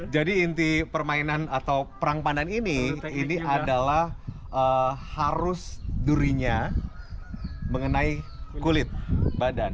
jadi inti permainan atau perang pandan ini ini adalah harus durinya mengenai kulit badan